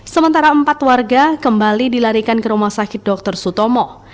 sementara empat warga kembali dilarikan ke rumah sakit dr sutomo